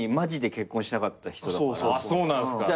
そうなんすか。